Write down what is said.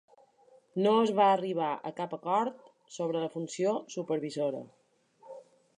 No es va arribar a cap acord sobre la funció supervisora.